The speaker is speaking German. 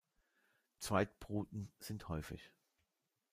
Zweitbruten sind häufig.